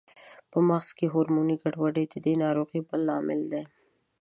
په مغز کې هورموني ګډوډۍ د دې ناروغۍ بل لامل دی.